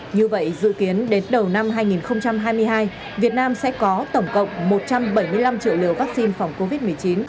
như vậy dự kiến đến đầu năm hai nghìn hai mươi hai việt nam sẽ có tổng cộng một trăm bảy mươi năm triệu liều vaccine phòng covid một mươi chín